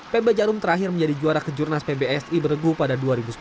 pb jarum terakhir menjadi juara kejurnas pbsi beregu pada dua ribu sepuluh